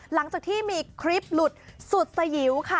หลังจากที่มีคลิปหลุดสุดสยิวค่ะ